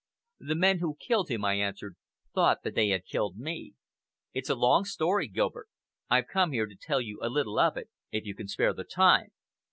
"The men who killed him," I answered, "thought that they had killed me. It's a long story, Gilbert. I've come here to tell you a little of it, if you can spare the time."